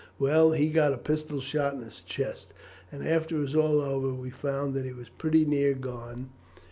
Well, he got a pistol shot in his chest, and after it was all over we found that he was pretty near gone.